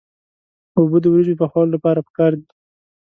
اوبه د وریجو پخولو لپاره پکار دي.